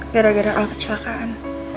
gara gara al kecelakaan